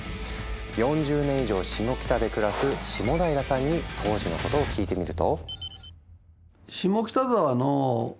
４０年以上シモキタで暮らす下平さんに当時のことを聞いてみると。